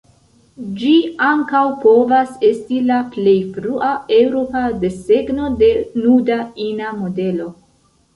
Ĝi ankaŭ povas esti la plej frua eŭropa desegno de nuda ina modelo.